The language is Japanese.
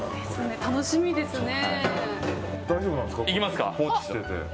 楽しみですね。